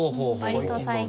割と最近。